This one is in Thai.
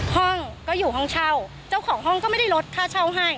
ห้องก็อยู่ห้องเช่าเจ้าของห้องก็ไม่ได้ลดค่าเช่าให้